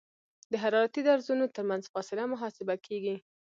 د حرارتي درزونو ترمنځ فاصله محاسبه کیږي